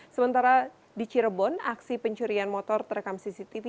sementara di cirebon aksi pencurian motor terekam cctv